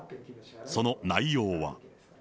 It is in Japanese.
その内容は。